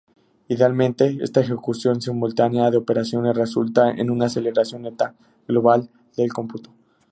Idealmente, esta ejecución simultánea de operaciones, resulta en una aceleración neta global del cómputo.